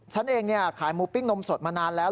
ฉันเองขายหมูปิ้งนมสดมานานแล้ว